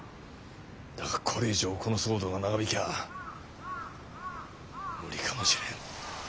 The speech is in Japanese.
だがこれ以上この騒動が長引きゃあ無理かもしれん。